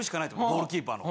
ゴールキーパーの。